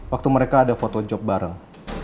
waktu mereka ada foto job bareng